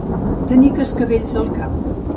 Tenir cascavells al cap.